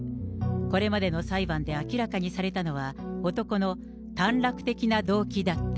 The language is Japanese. これまでの裁判で明らかにされたのは、男の短絡的な動機だった。